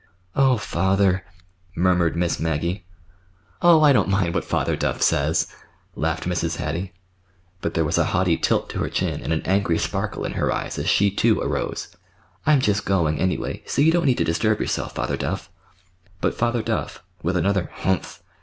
"Oh, father!" murmured Miss Maggie. "Oh, I don't mind what Father Duff says," laughed Mrs. Hattie. But there was a haughty tilt to her chin and an angry sparkle in her eyes as she, too, arose. "I'm just going, anyway, so you don't need to disturb yourself, Father Duff." But Father Duff, with another "Humph!"